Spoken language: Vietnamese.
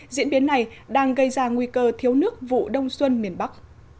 diễn biến này đang gây ra nguy cơ thiếu nước vụ đông xuân miền bắc